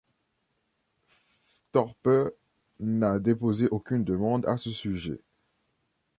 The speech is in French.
Thorpe n'a déposé aucune demande à ce sujet.